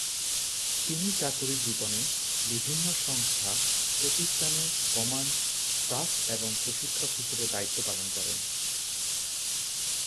তিনি চাকুরী জীবনে বিভিন্ন/সংস্থা/প্রতিষ্ঠানে কমান্ড, স্টাফ এবং প্রশিক্ষক হিসেবে দায়িত্ব পালন করেন।